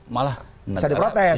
malah bisa diprotes